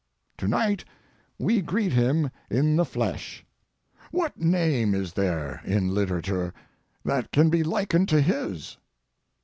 To night we greet him in the flesh. What name is there in literature that can be likened to his?